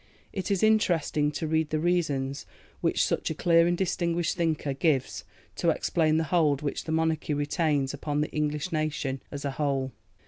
It is interesting to read the reasons which such a clear and distinguished thinker gives to explain the hold which the Monarchy retains upon the English nation as a whole.